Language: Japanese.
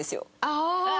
ああ！